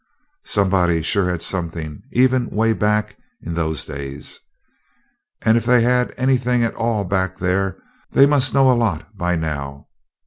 Somebody sure had something, even 'way back in those days. And if they had anything at all back there, they must know a lot by now.